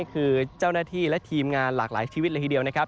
คือเจ้าหน้าที่และทีมงานหลากหลายชีวิตเลยทีเดียวนะครับ